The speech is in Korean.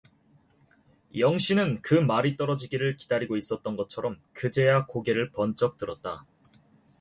영신은 그 말이 떨어지기를 기다리고 있었던 것처럼 그제야 고개를 번쩍 들었다.